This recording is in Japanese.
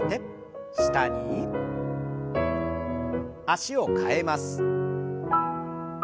脚を替えます。